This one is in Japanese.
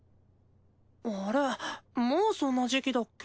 あれもうそんな時期だっけ？